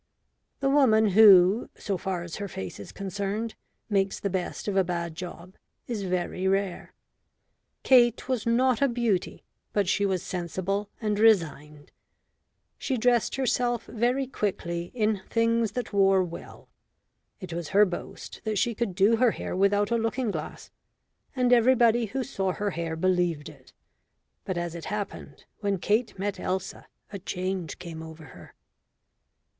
The woman who, so far as her face is concerned, makes the best of a bad job, is very rare. Kate was not a beauty, but she was sensible and resigned. She dressed herself very quickly in things that wore well. It was her boast that she could do her hair without a looking glass, and everybody who saw her hair believed it. But as it happened, when Kate met Elsa, a change came over her.